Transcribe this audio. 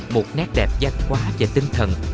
một nét đẹp giác hoa và tinh thần